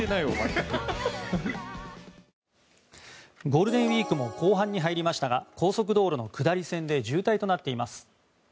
ゴールデンウィークも後半に入りましたが高速道路の下り線で渋滞となっています。